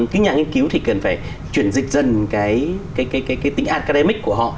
cái nhà nghiên cứu thì cần phải chuyển dịch dần cái tính ancaramic của họ